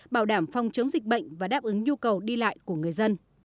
bảo đảm phòng chống dịch bệnh và đáp ứng nhu cầu đi lại của người dân